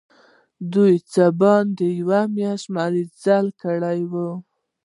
دوی څه باندي یوه میاشت مزل کړی وو.